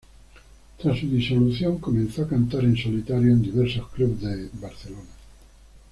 Tras su disolución comenzó a cantar en solitario en diversos clubs de Barcelona.